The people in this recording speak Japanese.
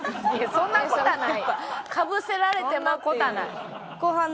そんな事はない。